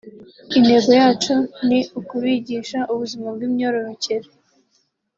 Intego yacu ni ukubigisha ubuzima bw’imyororokere